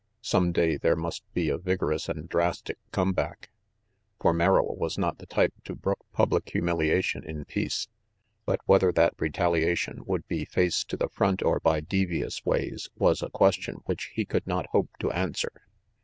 Some day there must be a vigorous and drastic come back, for Merrill was not the type to brook public humilia tion in peace. But whether that retaliation would be face to the front or by devious ways, was a ques tion which he could not hope to answer.